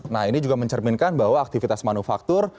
nah ini juga mencerminkan bahwa aktivitas manufaktur